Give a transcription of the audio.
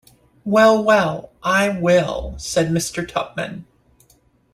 ‘Well, well, I will,’ said Mr. Tupman.